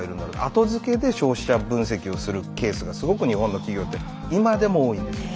後付けで消費者分析をするケースがすごく日本の企業って今でも多いんですよ。